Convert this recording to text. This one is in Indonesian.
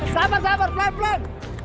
sabar sabar pelan pelan